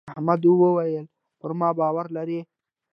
احمد وويل: پر ما باور لرې.